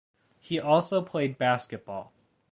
He also played basketball.